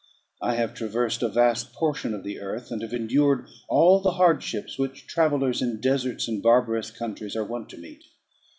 I have traversed a vast portion of the earth, and have endured all the hardships which travellers, in deserts and barbarous countries, are wont to meet.